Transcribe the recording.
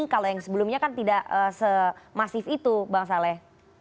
kalau yang sebelumnya kan tidak semasif itu bang saleh